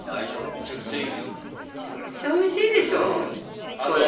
めちゃくちゃおいしいでしょそれは。